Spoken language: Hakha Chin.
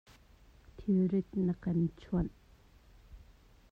Thil rit na kan chuanh.